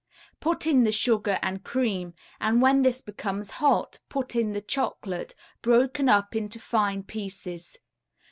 Put in the sugar and cream, and when this becomes hot put in the chocolate, broken up into fine pieces.